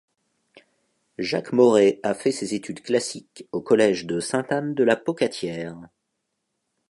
Jacques Maurais a fait ses études classiques au Collège de Sainte-Anne-de-la-Pocatière.